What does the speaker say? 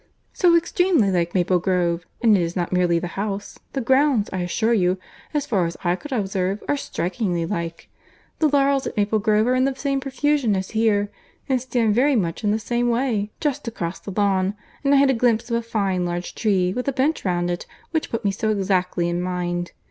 "So extremely like Maple Grove! And it is not merely the house—the grounds, I assure you, as far as I could observe, are strikingly like. The laurels at Maple Grove are in the same profusion as here, and stand very much in the same way—just across the lawn; and I had a glimpse of a fine large tree, with a bench round it, which put me so exactly in mind!